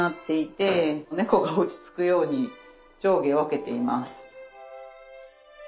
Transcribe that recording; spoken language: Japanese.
猫が落ち着くように上下分けています。